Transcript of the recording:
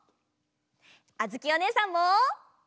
あづきおねえさんも。